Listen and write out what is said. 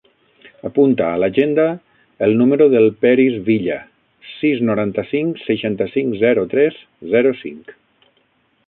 Apunta a l'agenda el número del Peris Villa: sis, noranta-cinc, seixanta-cinc, zero, tres, zero, cinc.